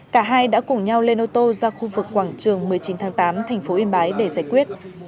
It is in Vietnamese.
cả hai đã cùng nhau lên ô tô ra khu vực quảng trường một mươi chín tháng tám thành phố yên bái để giải quyết